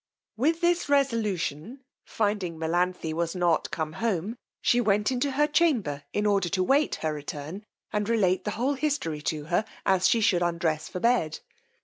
With this resolution, finding Melanthe was not come home, she went into her chamber in order to wait her return, and relate the whole history to her as she should undress for bed.